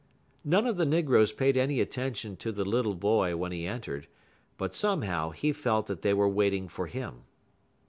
None of the negroes paid any attention to the little boy when he entered, but somehow he felt that they were waiting for him.